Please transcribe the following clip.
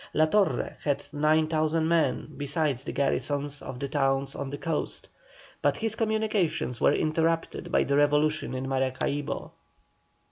La Torre had 9,000 men besides the garrisons of the towns on the coast, but his communications were interrupted by the revolution in Maracaibo.